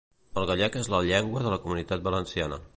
El gallec és la llengua de La Comunitat Valenciana.